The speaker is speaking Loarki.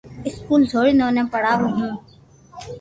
اسڪول سوڙين اوني پڙاوُ ھون